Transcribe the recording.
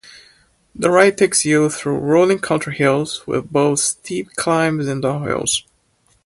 The ride takes you through rolling country hills, with both steep climbs and downhills.